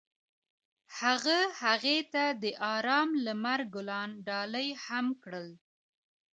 هغه هغې ته د آرام لمر ګلان ډالۍ هم کړل.